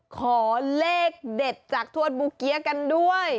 ขอเลขเด็ดจากทวดบูเกี๊ยกันด้วย